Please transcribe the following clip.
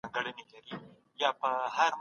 لوستل د انسان اړيکې پياوړې کوي.